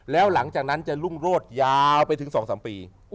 แล้วหลังจากนั้นจะรุ่งโรดยาวไปถึง๒๓ปี